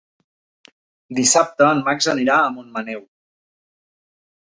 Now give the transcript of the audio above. Dissabte en Max anirà a Montmaneu.